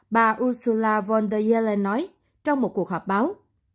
bà ursula von der leyen nói trong một cuộc họp báo